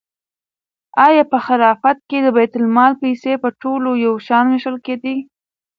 آیا په خلافت کې د بیت المال پیسې په ټولو یو شان وېشل کېدې؟